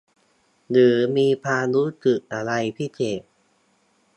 หรือมีความรู้สึกอะไรพิเศษ